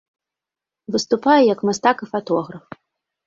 Выступае як мастак і фатограф.